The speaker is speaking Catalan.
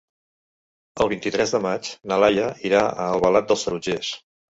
El vint-i-tres de maig na Laia irà a Albalat dels Tarongers.